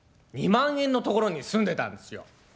２万円の所に住んでたんですよ。